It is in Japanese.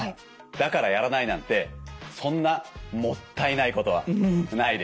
だからやらないなんてそんなもったいないことはないですよね。